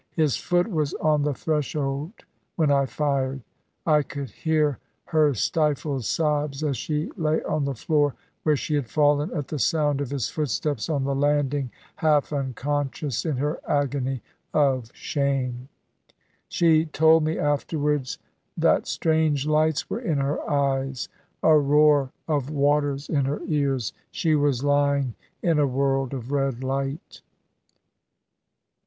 His foot was on the threshold when I fired. I could hear her stifled sobs as she lay on the floor, where she had fallen at the sound of his footsteps on the landing, half unconscious, in her agony of shame. She told me afterwards that strange lights were in her eyes, a roar of waters in her ears. She was lying in a world of red light."